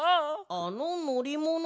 あののりもの？